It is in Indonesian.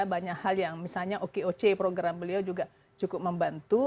banyak hal yang misalnya okoc program beliau juga cukup membantu